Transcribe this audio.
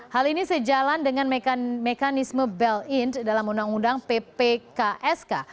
hal ini sejalan dengan mekanisme ball in dalam undang undang ppksk